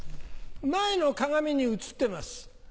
前の鏡に映ってます。